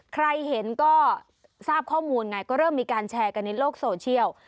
ใครเห็นก็ทราบข้อมูลไงก็เริ่มมีการแชร์กันในโลกโซเชียล